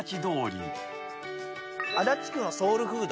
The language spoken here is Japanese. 足立区のソウルフード。